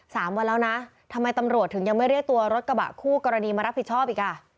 สามวันแล้วนะทำไมตำรวจถึงยังไม่เรียกตัวรถกระบะคู่กรณีมารับผิดชอบอีกอ่ะ